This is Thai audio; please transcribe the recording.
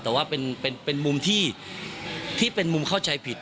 แต่ว่าเป็นมุมที่เป็นมุมเข้าใจผิด